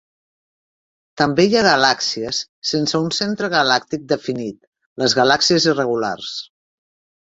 També hi ha galàxies sense un centre galàctic definit: les galàxies irregulars.